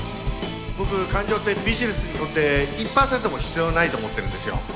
僕感情ってビジネスにとって１％も必要ないと思ってるんですよ